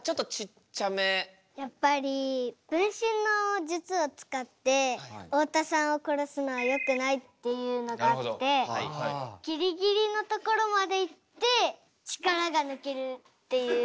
やっぱり分身の術を使って太田さんを殺すのはよくないっていうのがあってギリギリのところまでいって力が抜けるっていう。